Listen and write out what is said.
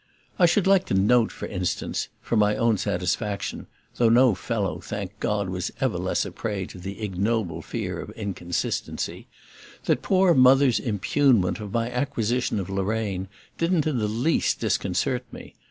I should like to note for instance, for my own satisfaction (though no fellow, thank God, was ever less a prey to the ignoble fear of inconsistency) that poor Mother's impugnment of my acquisition of Lorraine didn't in the least disconcert me.